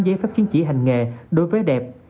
giấy pháp chiến chỉ hành nghề đối với đẹp